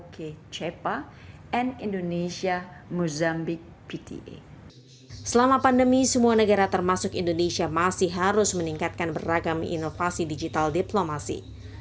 karena apapun berlaku indonesia masih harus meningkatkan beragam inovasi digital diplomasi